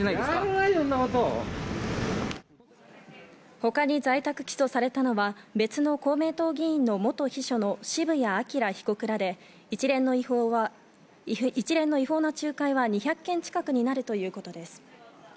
他に在宅起訴されたのは別の公明党議員の元秘書の渋谷朗被告らで一連の違法な仲介は２００件近くになるということです。